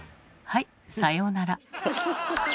はいさようなら。